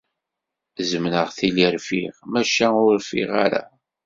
Zemreɣ tili rfiɣ, maca ur rfiɣ ara.